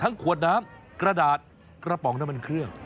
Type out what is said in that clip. ขวดน้ำกระดาษกระป๋องน้ำมันเครื่อง